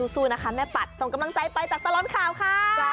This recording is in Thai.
สู้นะคะแม่ปัดส่งกำลังใจไปจากตลอดข่าวค่ะ